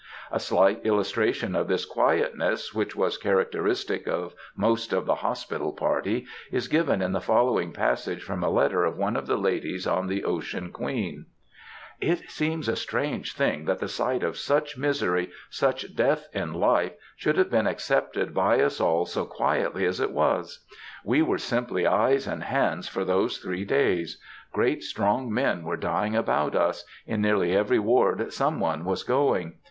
A slight illustration of this quietness, which was characteristic of most of the hospital party, is given in the following passage from a letter of one of the ladies on the Ocean Queen:— "It seems a strange thing that the sight of such misery, such death in life, should have been accepted by us all so quietly as it was. We were simply eyes and hands for those three days. Great, strong men were dying about us; in nearly every ward some one was going.